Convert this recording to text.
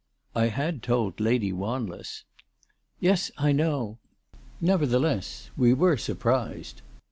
" I had told Lady Waniess." "Yes; I know. Nevertheless we were surprised.